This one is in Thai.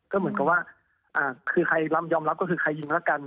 ก็เหมือนกับว่าคือใครยอมรับก็คือใครยิงแล้วกัน